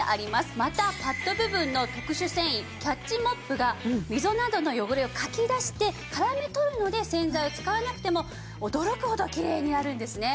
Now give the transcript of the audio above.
またパッド部分の特殊繊維キャッチモップが溝などの汚れをかき出して絡め取るので洗剤を使わなくても驚くほどきれいになるんですね。